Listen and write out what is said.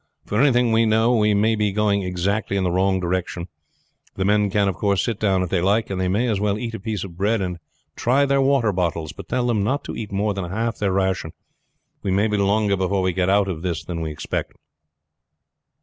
For anything we know we may be going exactly in the wrong direction. The men can of course sit down if they like; and they may as well eat a piece of bread and try their water bottles. But tell them not to eat more than half their ration. We may be longer before we get out of this than we expect."